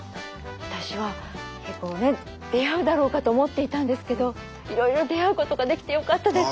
私は出会うだろうかと思っていたんですけどいろいろ出会うことができてよかったです。